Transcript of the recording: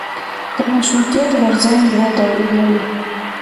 د مشروطیت غورځنګ دوه دورې لري.